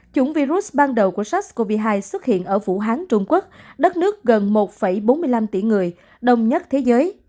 chủng virus ban đầu của sars cov hai xuất hiện ở vũ hán trung quốc đất nước gần một bốn mươi năm tỷ người đông nhất thế giới